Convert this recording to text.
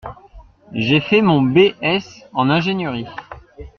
J’ai fait mon B.S en ingénierie.